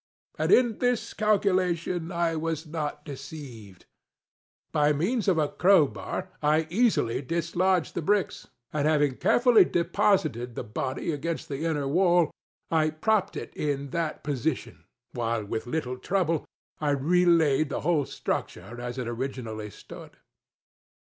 And in this calculation I was not deceived. By means of a crow bar I easily dislodged the bricks, and, having carefully deposited the body against the inner wall, I propped it in that position, while, with little trouble, I re laid the whole structure as it originally stood.